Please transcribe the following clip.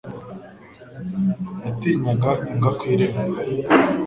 S] [T] Yatinyaga imbwa ku irembo.